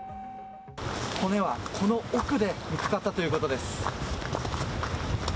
骨はこの奥で見つかったということです。